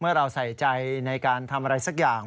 เราใส่ใจในการทำอะไรสักอย่าง